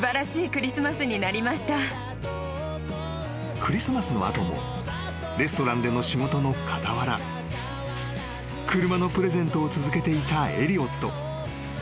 ［クリスマスの後もレストランでの仕事の傍ら車のプレゼントを続けていたエリオット］